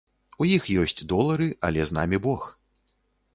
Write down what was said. У іх ёсць долары, але з намі бог.